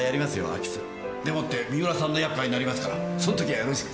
空き巣。でもって三浦さんの厄介になりますからその時はよろしく。